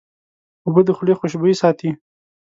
اوبه د خولې خوشبویي ساتي.